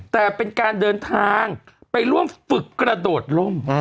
แต่เป็นการเดินทางไปร่วมฝึกกระโดดล่ม